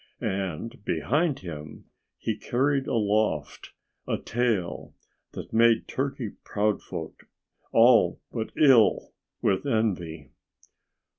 And behind him he carried aloft a tail that made Turkey Proudfoot all but ill with envy.